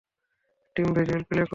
Team visual play করো।